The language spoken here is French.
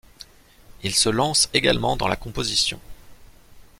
Il se lance également dans la composition.